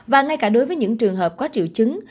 và ngay cả đối với những trường hợp có triệu chứng